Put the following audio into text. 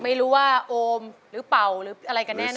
ไม่รู้ว่าโอมหรือเป่าหรืออะไรกันแน่น